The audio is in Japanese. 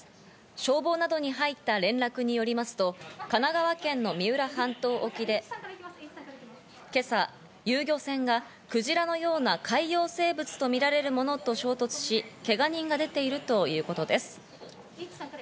消防などに入った連絡によりますと、神奈川県の三浦半島沖で、今朝、遊漁船がクジラのような海洋生物とみられるものと衝突し、けが人が出ているということです。